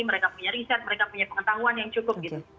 mereka punya riset mereka punya pengetahuan yang cukup gitu